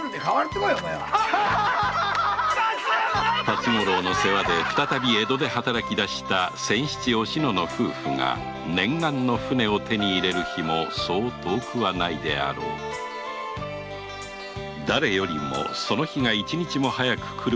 辰五郎の世話で再び江戸で働きだした仙七おしのの夫婦が念願の舟を手に入れる日もそう遠くはないであろうだれよりもその日が一日も早くくることを願う吉宗であった